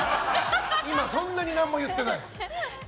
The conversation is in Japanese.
今そんなに何も言ってない。